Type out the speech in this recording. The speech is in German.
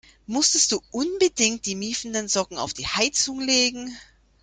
Musstest du unbedingt die miefenden Socken auf die Heizung legen?